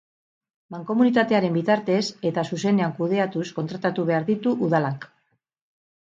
Mankomunitatearen bitartez eta zuzenean kudeatuz kontratatu behar ditu udalak.